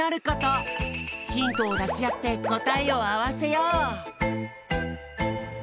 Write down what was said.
ヒントをだしあってこたえをあわせよう！